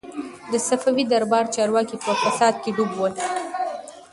د صفوي دربار چارواکي په فساد کي ډوب ول.